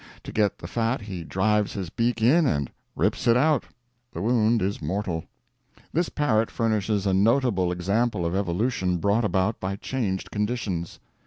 To get the fat he drives his beak in and rips it out; the wound is mortal. This parrot furnishes a notable example of evolution brought about by changed conditions.